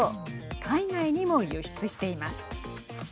海外にも輸出しています。